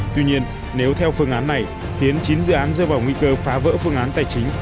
tuy nhiên nếu theo phương án này khiến chín dự án rơi vào nguy cơ phá vỡ phương án tài chính